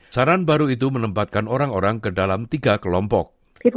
saran baru itu menempatkan orang orang ke dalam tiga kelompok